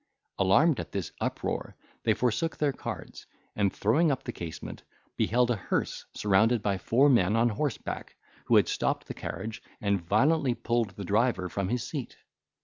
Alarmed at this uproar, they forsook their cards, and, throwing up the casement, beheld a hearse surrounded by four men on horseback, who had stopped the carriage, and violently pulled the driver from his seat.